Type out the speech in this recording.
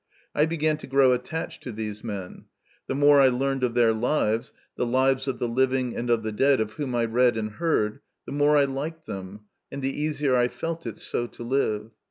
I began to grow attached to these men. The more I learned of their lives, the lives of the living and of the dead of whom I read and heard, the more I liked them, and the easier I felt it so to live.